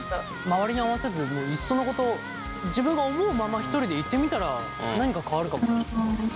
周りに合わせずいっそのこと自分が思うままひとりでいってみたら何か変わるかも。